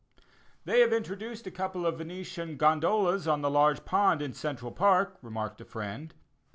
"They have introduced a couple of Venetian gondolas on the large pond in Central Park," remarked a friend.